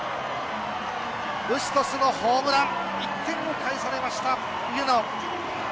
ブストスのホームラン１点をかえされました、上野。